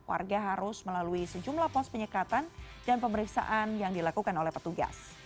warga harus melalui sejumlah pos penyekatan dan pemeriksaan yang dilakukan oleh petugas